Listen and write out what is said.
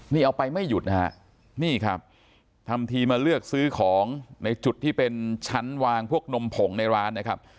นี่เอาไปไม่หยุดนะฮะนี่ครับทำทีมาเลือกซื้อของในจุดที่เป็นชั้นวางพวกนมผงในร้านนะครับ